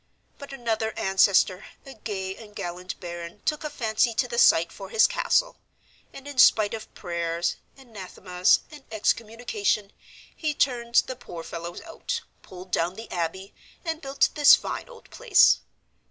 But another ancestor, a gay and gallant baron, took a fancy to the site for his castle, and, in spite of prayers, anathemas, and excommunication, he turned the poor fellows out, pulled down the abbey, and built this fine old place.